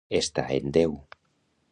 Estar en Déu.